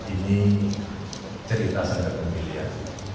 ini cerita sangat pemilihan